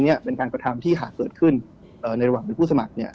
เนี่ยเป็นการกระทำที่หากเกิดขึ้นในระหว่างเป็นผู้สมัครเนี่ย